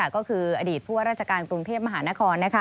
ก็คืออดีตผู้ว่าราชการกรุงเทพมหานคร